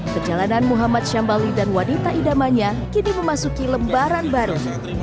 perjalanan muhammad syambali dan wanita idamanya kini memasuki lembaran baru